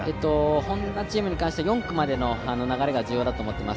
Ｈｏｎｄａチームに関して４区までの流れが重要だと思っています。